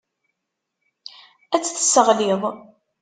Ad tt-tesseɣliḍ.